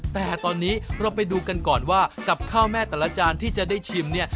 แต่ตอนนี้เราไปดูกันก่อนว่ากับข้าวแม่แต่ละจานที่จะได้ชิมเนี่ย